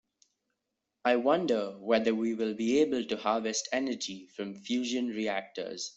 I wonder whether we will be able to harvest energy from fusion reactors.